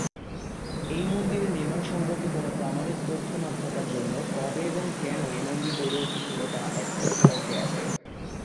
এই মন্দিরের নির্মাণ সম্পর্কে কোনো প্রামাণিক তথ্য না থাকার জন্য কবে এবং কেন এই মন্দির গড়ে উঠেছিল তা এখনো অজ্ঞাত।